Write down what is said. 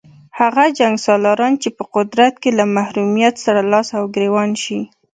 هغه جنګسالاران چې په قدرت کې له محرومیت سره لاس او ګرېوان شي.